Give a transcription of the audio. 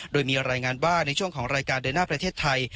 โดยมีรายงานว่าในช่วงของรายการเดินหน้าประเทศไทย